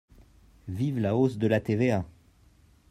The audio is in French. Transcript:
Vive la hausse de la TVA